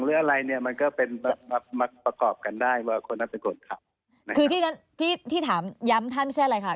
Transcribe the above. อื้มอืมเข้าใจถ้าเค้าทำนะ